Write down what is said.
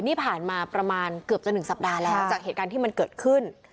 นี่ผ่านมาประมาณเกือบจะ๑สัปดาห์แล้วจากเหตุการณ์ที่มันเกิดขึ้น